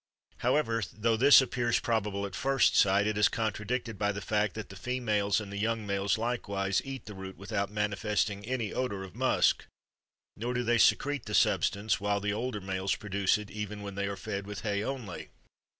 However, though this appears probable at first sight, it is contradicted by the fact that the females and the young males likewise eat the root without manifesting any odor of musk nor do they secrete the substance, while the older males produce it even when they are fed with hay only.